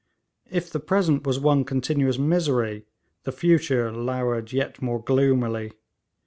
If the present was one continuous misery, the future lowered yet more gloomily.